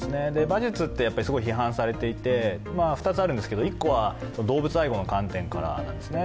馬術ってすごい批判されていて、２つあるんですけど、１個は動物愛護の観点からですね。